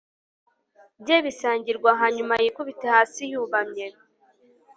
bye bisangirwa hanyuma yikubite hasi yubamye